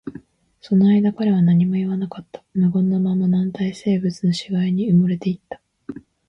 その間、彼は何も言わなかった。無言のまま、軟体生物の死骸に埋もれていった。